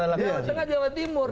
jawa tengah jawa timur